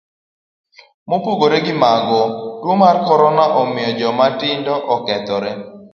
Mopogore gimago, tuo mar korona omiyo joma tindo okethore.